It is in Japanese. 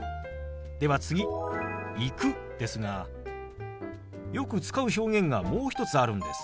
では次「行く」ですがよく使う表現がもう一つあるんです。